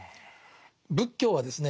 仏教はですね